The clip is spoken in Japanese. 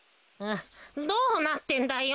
どうなってんだよ。